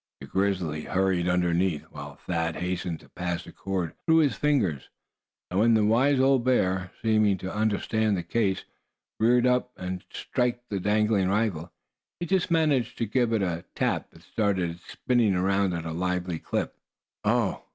The grizzly hurried underneath, while Thad hastened to pass the cord through his fingers and when the wise old bear, seeming to understand the case, reared up to strike at the dangling rifle, he just managed to give it a tap that started it to spinning around at a lively clip. "Oh!"